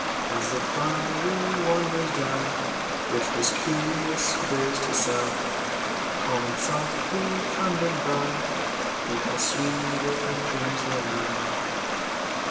As the crier wanders down With his curious wares to sell. Crying softly :" Come and buy ! Who has sweeter dreams than I